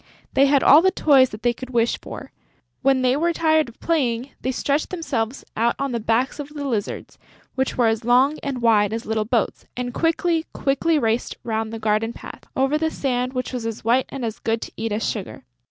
They had all the toys that they could wish for. When they were tired of playing, they stretched themselves out on the backs of the lizards, which were as long and wide as little boats, and quickly, quickly raced round the garden paths, over the sand which was as white and as good to eat as sugar.